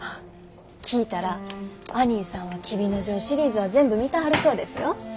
聞いたらアニーさんは「黍之丞」シリーズは全部見たはるそうですよ。